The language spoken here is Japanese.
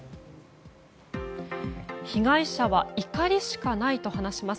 被害者は怒りしかないと話します。